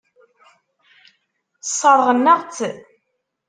Sseṛɣen-aɣ-tt.